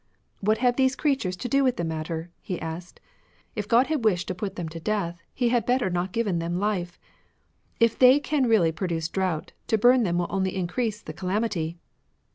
" What have these creatures to do with the matter ?" he asked. '' If God had wished to put them to death, He had better not have given them life. If they can really produce drought, to bum them will only increase the calamity."